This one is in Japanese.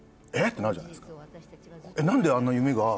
てなるじゃないですか。